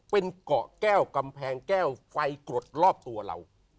เป็นเกาะแก้วกำแพงแก้วไฟกรดรอบตัวเรา